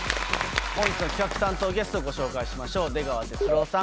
本日の企画担当ゲストご紹介しましょう出川哲朗さん